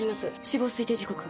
死亡推定時刻。